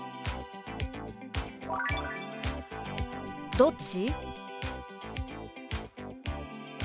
「どっち？」。